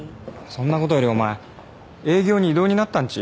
そんなことよりお前営業に異動になったんち？